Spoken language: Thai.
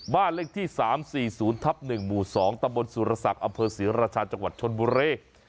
บ้านเลขที่๓๔๐ทับ๑หมู่๒ตะบนสุรษักอศิราชาจังหวัดชนบุเร